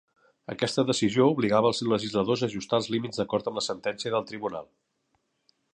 Aquesta decisió obligava els legisladors a ajustar els límits d'acord amb la sentència del Tribunal.